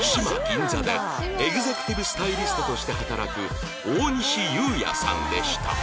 ＳＨＩＭＡＧＩＮＺＡ でエグゼクティブスタイリストとして働く大西祐也さんでした